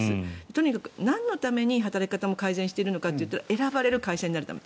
とにかくなんのために働き方の改善をしているかというと選ばれる会社になるため。